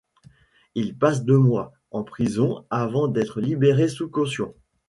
Ils passent deux mois en prison avant d'être libérés sous caution.